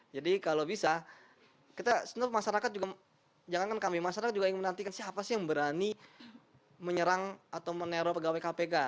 jadi kalau bisa kita masyarakat juga jangan kan kami masyarakat juga yang menantikan siapa sih yang berani menyerang atau meneror pegawai kpk